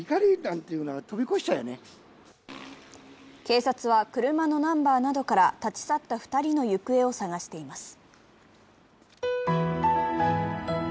警察は、車のナンバーなどから立ち去った２人の行方を捜しています。